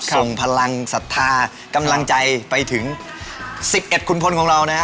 ส่งพลังศรัทธากำลังใจไปถึง๑๑คุณพลของเรานะฮะ